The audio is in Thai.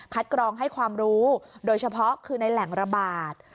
กรองให้ความรู้โดยเฉพาะคือในแหล่งระบาด